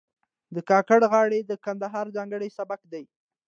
د کاکړۍ غاړې د کندهار ځانګړی سبک دی.